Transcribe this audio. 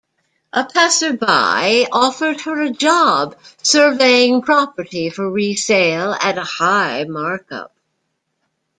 A passerby offered her a job surveying property for resale at a high mark-up.